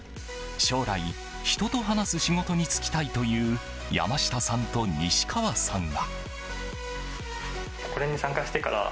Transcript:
将来、人と話す仕事に就きたいという山下さんと西川さんは。